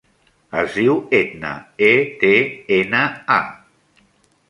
Es diu Etna: e, te, ena, a.